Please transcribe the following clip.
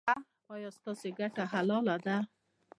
ایا ستاسو ګټه حلاله ده؟